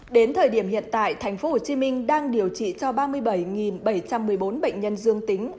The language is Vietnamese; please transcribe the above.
đến thời điểm hiện tại thành phố hồ chí minh đang điều trị cho ba mươi bảy bảy trăm một mươi bốn bệnh nhân dương tính